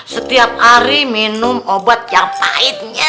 setiap hari minum obat yang pahitnya